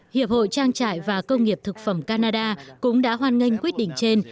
hiệp hội trang trại và công nghiệp thực phẩm canada cũng đã hoan nghênh quyết định trên